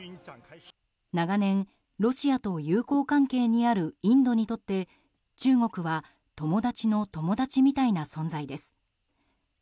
長年、ロシアと友好関係にあるインドにとって中国は友達の友達みたいな存在です。